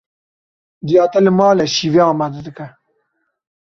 Dêya te li mal e şîvê amade dike.